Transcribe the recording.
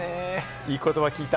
いい言葉、聞いた。